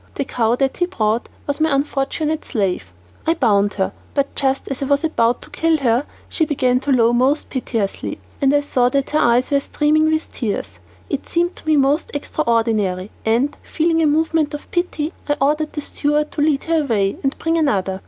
The cow that he brought was my unfortunate slave. I bound her, but just as I was about to kill her she began to low most piteously, and I saw that her eyes were streaming with tears. It seemed to me most extraordinary, and, feeling a movement of pity, I ordered the steward to lead her away and bring another.